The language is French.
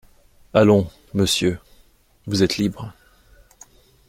Allons, monsieur, vous êtes libre.